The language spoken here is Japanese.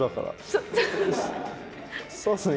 そうっすね